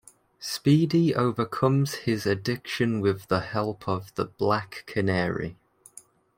Speedy overcomes his addiction with the help of the Black Canary.